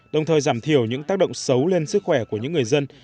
đồng thời giảm thiểu những tác động xấu lên sức khỏe của những người dân